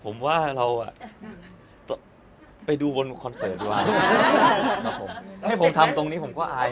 ผมว่าเราไปดูบนคอนเสิร์ตวางให้ผมทำตรงนี้ผมก็อาย